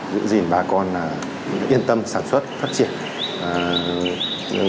những gì bà con yên tâm sản xuất phát triển